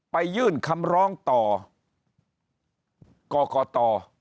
ไปยื่นคำร้องต่อก่อก่อต่อ